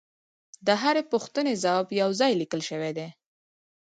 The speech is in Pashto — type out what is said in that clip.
د هرې پوښتنې ځواب یو ځای لیکل شوی دی